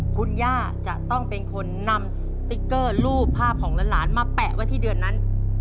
คุณย่าจะต้องเป็นคนนำสติ๊กเกอร์รูปภาพของหลานมาแปะไว้ที่เดือนนั้น